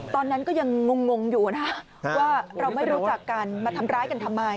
ตอนนั้นก็ยังงงอยู่นะว่าเราไม่รู้จักกันมาทำร้ายกันทำไม